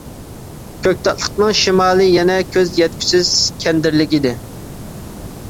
كۆكتاتلىقنىڭ شىمالى يەنە كۆز يەتكۈسىز كەندىرلىك ئىدى.